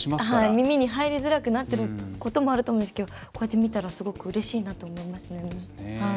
耳に入りづらくなっていることもあるかもしれませんがこうやって見たらすごくうれしいなと思います。